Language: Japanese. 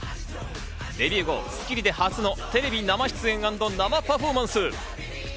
デビュー後『スッキリ』で初のテレビ初出演＆生歌パフォーマンス。